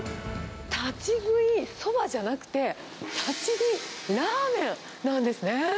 立ち食いそばじゃなくて、立ち食いラーメンなんですね。